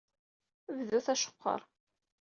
Bdut aceqqer.